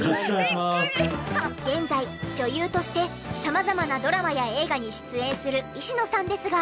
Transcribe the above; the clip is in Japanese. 現在女優として様々なドラマや映画に出演するいしのさんですが。